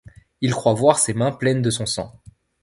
Il croit voir ses mains pleines de son sang.